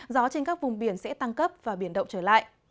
gió trên các vùng biển sẽ tăng cấp và biển động trở lại